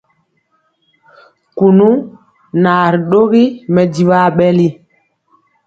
Kunu naa ri dɔgi mɛdivɔ aɓɛli.